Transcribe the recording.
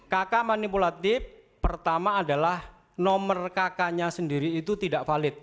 kakak manipulatif pertama adalah nomor kakaknya sendiri itu tidak valid